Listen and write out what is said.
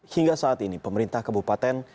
hingga saat ini pemerintah kabupaten